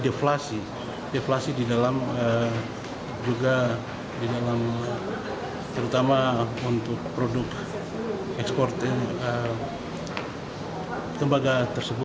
deflasi deflasi di dalam juga di dalam terutama untuk produk ekspor tembaga tersebut